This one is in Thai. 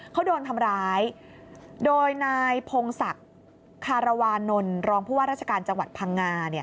เขาโดนทำร้ายโดยนายพงศักดิ์คารวานนท์รองผู้ว่าราชการจังหวัดพังงาเนี่ย